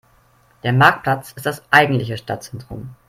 Der Marktplatz ist das eigentliche Stadtzentrum.